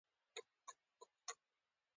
په آیین اکبري کې اشاره ورته کړې ده.